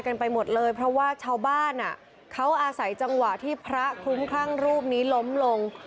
กันไปหมดเลยเพราะว่าชาวบ้านอ่ะเขาอาศัยจังหวะที่พระคลุ้มคลั่งรูปนี้ล้มลง